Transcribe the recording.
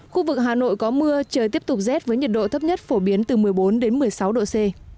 khu vực hà nội có mưa trời tiếp tục rét với nhiệt độ thấp nhất phổ biến từ một mươi bốn đến một mươi sáu độ c